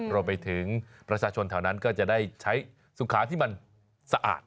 รวมไปถึงประชาชนแถวนั้นก็จะได้ใช้สุขาที่มันสะอาด